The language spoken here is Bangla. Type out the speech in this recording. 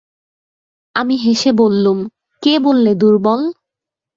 আমি হেসে বললুম, কে বললে দুর্বল?